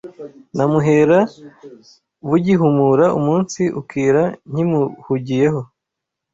Namuhera bugihumura Umunsi ukira nkimuhugiye ho